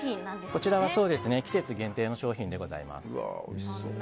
こちらは季節限定の商品でございます。